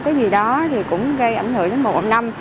cái gì đó thì cũng gây ảnh hưởng đến một năm